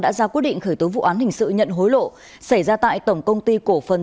đã ra quyết định khởi tố vụ án hình sự nhận hối lộ xảy ra tại tổng công ty cổ phần